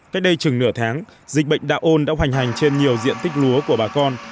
cách đây chừng nửa tháng dịch bệnh đạo ôn đã hoành hành trên nhiều diện tích lúa của bà con